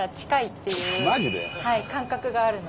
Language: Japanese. はい感覚があるので。